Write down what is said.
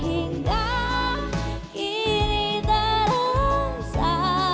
hingga kini terasa